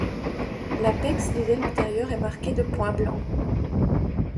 L'apex des ailes antérieures est marqué de points blancs.